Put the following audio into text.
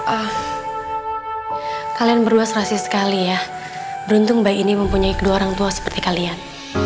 ah kalian berdua serasi sekali ya beruntung bayi ini mempunyai kedua orang tua seperti kalian